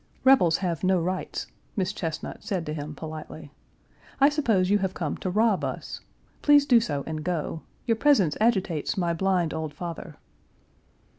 "Rebels have no rights," Miss Chesnut said to him politely. "I suppose you have come to rob us. Please do so and go. Your presence agitates my blind old father."